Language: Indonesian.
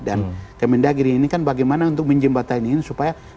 dan kementerian dalam negeri ini kan bagaimana untuk menjembatan ini supaya semua bergabung